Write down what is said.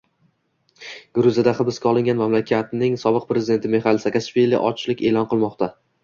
Gruziyada hibsga olingan mamlakatning sobiq prezidenti Mixail Saakashvili ochlik eʼlon qilmoqda.